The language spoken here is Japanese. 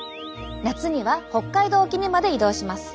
夏には北海道沖にまで移動します。